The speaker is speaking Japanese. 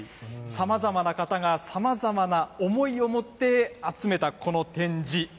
さまざまな方が、さまざまな思いを持って、集めたこの展示。